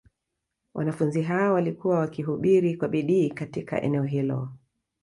Wanafunzi hao walikuwa wakihubiri kwa bidii katika eneo hilo